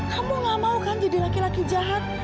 kamu gak mau kan jadi laki laki jahat